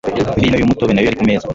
vino y'umutobe na yo yari ku meza.